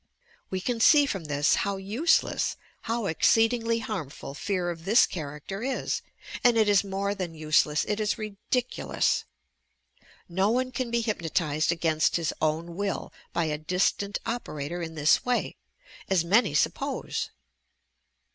We can see from this how useless, how exceedingly harmful fear of this character is, and it is more than useless, it is ridiculous! No one can be hypnotized against his own will by a distant operator in this way, as many suppose.